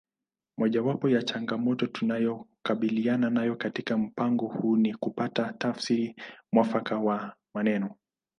Mojawapo ya changamoto tunayokabiliana nayo katika mpango huu ni kupata tafsiri mwafaka ya maneno